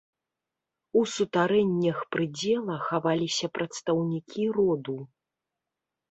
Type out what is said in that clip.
У сутарэннях прыдзела хаваліся прадстаўнікі роду.